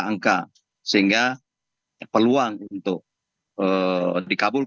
saya agak merasa sebenarnya isi kode saja untuk memikatnya